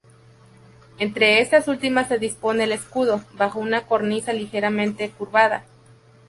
Entre estas últimas se dispone el escudo, bajo una cornisa ligeramente curvada.